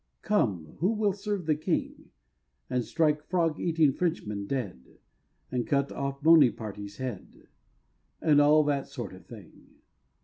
Come, who will serve the king, And strike frog eating Frenchmen dead, And cut off Bonyparty's head? And all that sort of thing.